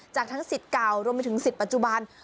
จากทั้งสิทธิ์เก่ารวมไปถึงสิทธิ์ปัจจุบัน